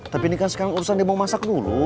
tapi ini kan sekarang urusan dia mau masak dulu